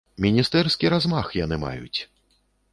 Міністэрскі размах яны маюць!